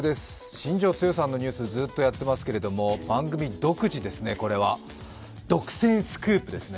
新庄剛志さんのニュースずっとやっていますけど、番組独自ですね、これは。独占スクープですね。